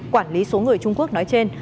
quản lý số người trung quốc nói trên